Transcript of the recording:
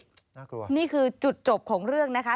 น่ากลัวนี่คือจุดจบของเรื่องนะคะ